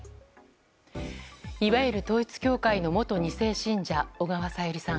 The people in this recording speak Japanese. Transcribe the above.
いわゆる統一教会の元２世信者小川さゆりさん。